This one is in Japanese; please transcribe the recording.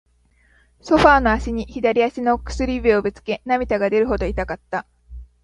ソファーの脚に、左足の薬指をぶつけ、涙が出るほど痛かった。